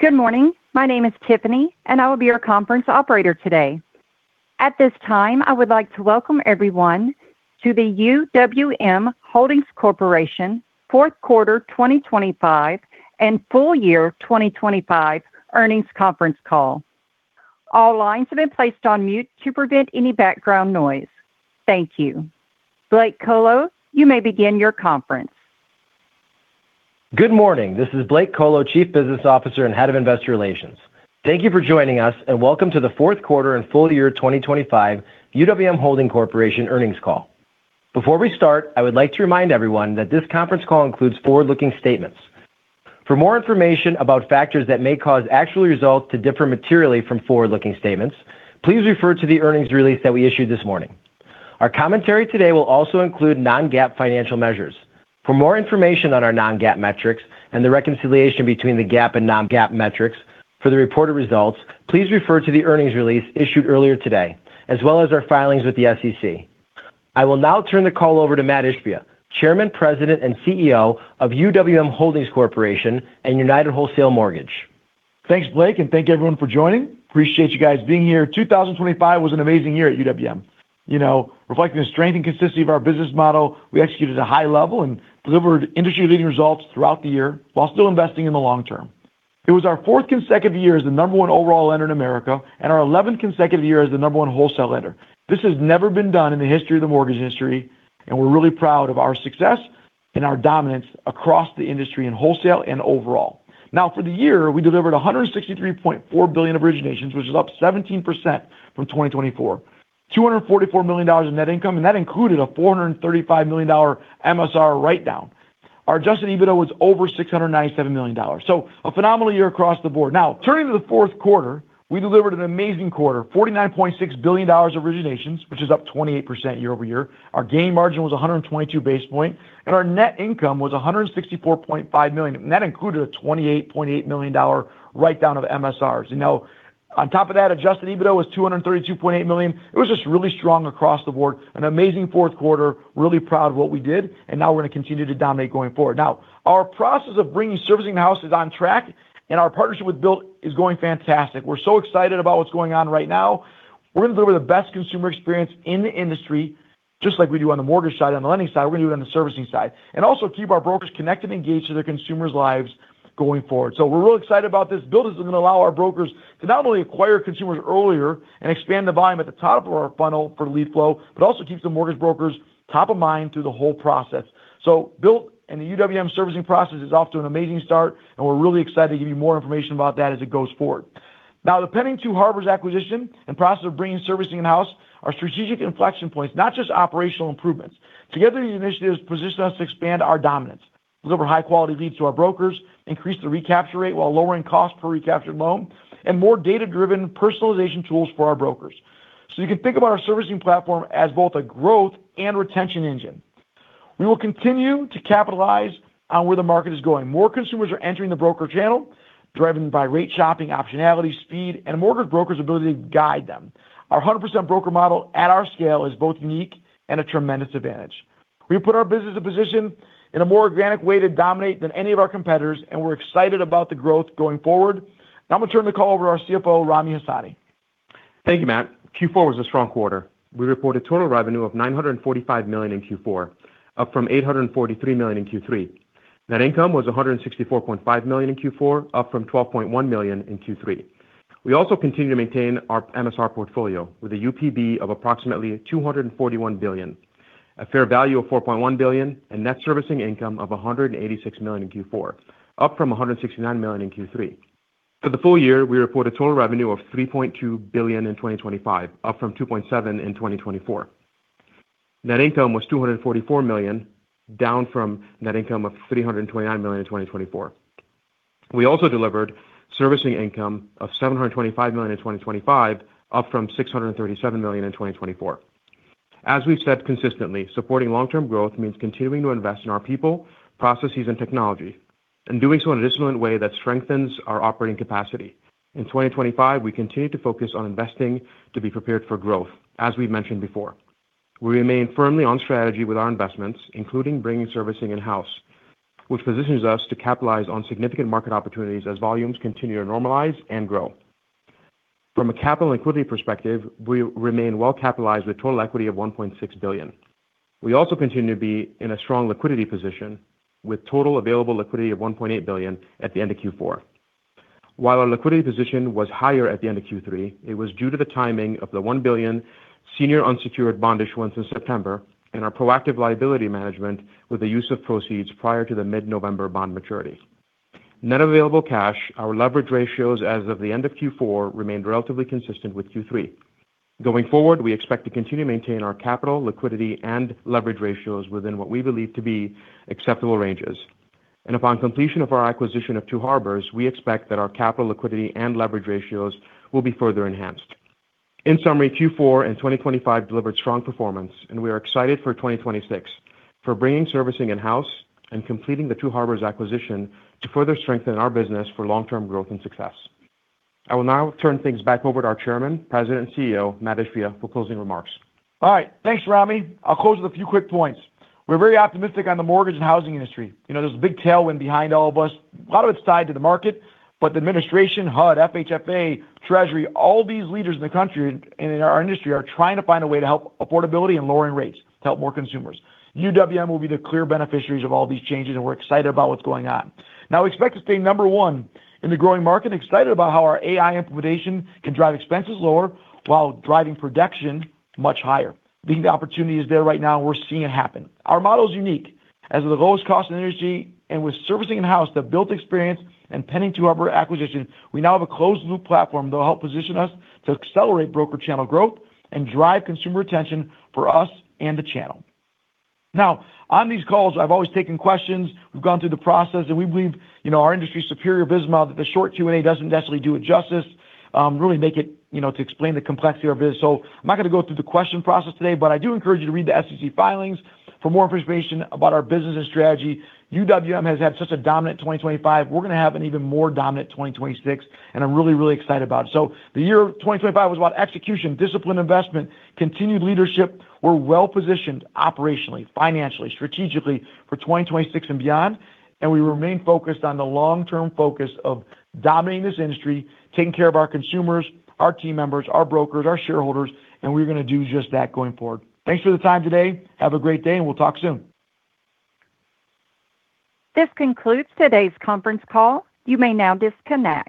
Good morning. My name is Tiffany. I will be your conference operator today. At this time, I would like to welcome everyone to the UWM Holdings Corporation Fourth Quarter 2025 and Full Year 2025 Earnings Conference Call. All lines have been placed on mute to prevent any background noise. Thank you. Blake Kolo, you may begin your conference. Good morning. This is Blake Kolo, Chief Business Officer and Head of Investor Relations. Thank you for joining us, and welcome to the Fourth Quarter and Full Year 2025 UWM Holdings Corporation Earnings Call. Before we start, I would like to remind everyone that this conference call includes forward-looking statements. For more information about factors that may cause actual results to differ materially from forward-looking statements, please refer to the earnings release that we issued this morning. Our commentary today will also include non-GAAP financial measures. For more information on our non-GAAP metrics and the reconciliation between the GAAP and non-GAAP metrics for the reported results, please refer to the earnings release issued earlier today, as well as our filings with the SEC. I will now turn the call over to Mat Ishbia, Chairman, President, and CEO of UWM Holdings Corporation and United Wholesale Mortgage. Thanks, Blake. Thank you everyone for joining. Appreciate you guys being here. 2025 was an amazing year at UWM. You know, reflecting the strength and consistency of our business model, we executed a high level and delivered industry-leading results throughout the year while still investing in the long term. It was our fourth consecutive year as the number one overall lender in America and our 11th consecutive year as the number one wholesale lender. This has never been done in the history of the mortgage industry, and we're really proud of our success and our dominance across the industry in wholesale and overall. For the year, we delivered $163.4 billion of originations, which is up 17% from 2024, $244 million in net income, and that included a $435 million MSR write-down. Our adjusted EBITDA was over $697 million. A phenomenal year across the board. Turning to the fourth quarter, we delivered an amazing quarter, $49.6 billion of originations, which is up 28% year-over-year. Our gain margin was 122 basis point, and our net income was $164.5 million, and that included a $28.8 million write-down of MSRs. You know, on top of that, adjusted EBITDA was $232.8 million. It was just really strong across the board. An amazing fourth quarter. Really proud of what we did, and now we're going to continue to dominate going forward. Our process of bringing servicing in-house is on track, and our partnership with Bilt is going fantastic. We're so excited about what's going on right now. We're going to deliver the best consumer experience in the industry, just like we do on the mortgage side, on the lending side, we're going to do on the servicing side, and also keep our brokers connected and engaged to their consumers' lives going forward. We're really excited about this. Bilt is going to allow our brokers to not only acquire consumers earlier and expand the volume at the top of our funnel for lead flow, but also keep the mortgage brokers top of mind through the whole process. Bilt and the UWM servicing process is off to an amazing start, and we're really excited to give you more information about that as it goes forward. Now, the pending Two Harbors acquisition and process of bringing servicing in-house are strategic inflection points, not just operational improvements. Together, these initiatives position us to expand our dominance, deliver high-quality leads to our brokers, increase the recapture rate while lowering cost per recaptured loan, and more data-driven personalization tools for our brokers. You can think about our servicing platform as both a growth and retention engine. We will continue to capitalize on where the market is going. More consumers are entering the broker channel, driven by rate shopping, optionality, speed, and a mortgage broker's ability to guide them. Our 100% broker model at our scale is both unique and a tremendous advantage. We put our business in position in a more organic way to dominate than any of our competitors, and we're excited about the growth going forward. Now I'm going to turn the call over to our CFO, Rami Hasani. Thank you, Mat. Q4 was a strong quarter. We reported total revenue of $945 million in Q4, up from $843 million in Q3. Net income was $164.5 million in Q4, up from $12.1 million in Q3. We also continue to maintain our MSR portfolio with a UPB of approximately $241 billion, a fair value of $4.1 billion, and net servicing income of $186 million in Q4, up from $169 million in Q3. For the full year, we reported total revenue of $3.2 billion in 2025, up from $2.7 billion in 2024. Net income was $244 million, down from net income of $329 million in 2024. We also delivered servicing income of $725 million in 2025, up from $637 million in 2024. As we've said consistently, supporting long-term growth means continuing to invest in our people, processes, and technology, and doing so in a disciplined way that strengthens our operating capacity. In 2025, we continued to focus on investing to be prepared for growth, as we've mentioned before. We remain firmly on strategy with our investments, including bringing servicing in-house, which positions us to capitalize on significant market opportunities as volumes continue to normalize and grow. From a capital and liquidity perspective, we remain well capitalized with total equity of $1.6 billion. We also continue to be in a strong liquidity position with total available liquidity of $1.8 billion at the end of Q4. While our liquidity position was higher at the end of Q3, it was due to the timing of the $1 billion senior unsecured bond issuance in September and our proactive liability management with the use of proceeds prior to the mid-November bond maturity. Net available cash, our leverage ratios as of the end of Q4 remained relatively consistent with Q3. Going forward, we expect to continue to maintain our capital, liquidity, and leverage ratios within what we believe to be acceptable ranges. Upon completion of our acquisition of Two Harbors, we expect that our capital, liquidity, and leverage ratios will be further enhanced. In summary, Q4 and 2025 delivered strong performance, and we are excited for 2026, for bringing servicing in-house and completing the Two Harbors acquisition to further strengthen our business for long-term growth and success. I will now turn things back over to our Chairman, President, and CEO, Mat Ishbia, for closing remarks. All right. Thanks, Rami. I'll close with a few quick points. We're very optimistic on the mortgage and housing industry. You know, there's a big tailwind behind all of us. A lot of it's tied to the market, but the administration, HUD, FHFA, Treasury, all these leaders in the country and in our industry are trying to find a way to help affordability and lowering rates to help more consumers. UWM will be the clear beneficiaries of all these changes, and we're excited about what's going on now. We expect to stay number one in the growing market, excited about how our AI implementation can drive expenses lower while driving production much higher. The opportunity is there right now, and we're seeing it happen. Our model is unique. As the lowest cost in the industry and with servicing in-house, the Bilt experience, and pending Two Harbors acquisition, we now have a closed-loop platform that will help position us to accelerate broker channel growth and drive consumer retention for us and the channel. Now, on these calls, I've always taken questions. We've gone through the process, and we believe, you know, our industry's superior business model, that the short Q&A doesn't necessarily do it justice, really make it, you know, to explain the complexity of our business. I'm not going to go through the question process today, but I do encourage you to read the SEC filings for more information about our business and strategy. UWM has had such a dominant 2025. We're going to have an even more dominant 2026, and I'm really excited about it. The year 2025 was about execution, discipline, investment, continued leadership. We're well-positioned operationally, financially, strategically for 2026 and beyond, and we remain focused on the long-term focus of dominating this industry, taking care of our consumers, our team members, our brokers, our shareholders, and we're going to do just that going forward. Thanks for the time today. Have a great day, and we'll talk soon. This concludes today's conference call. You may now disconnect.